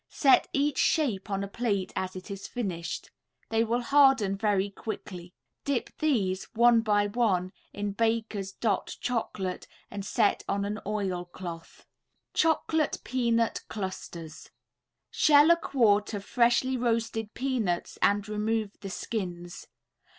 Set each shape on a plate as it is finished. They will harden very quickly. Dip these, one by one, in Baker's "Dot" Chocolate and set on an oil cloth. CHOCOLATE PEANUT CLUSTERS [Illustration: CHOCOLATE PEANUT CLUSTERS.] Shell a quart of freshly roasted peanuts and remove the skins.